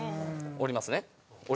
折りますね。